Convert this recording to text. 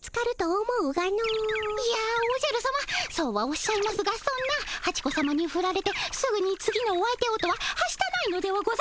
いやおじゃるさまそうはおっしゃいますがそんなハチ子さまにフラれてすぐに次のお相手をとははしたないのではございませんか？